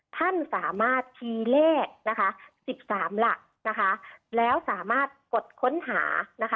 ท่านสามารถทีเลข๑๓หลักแล้วสามารถกดค้นหา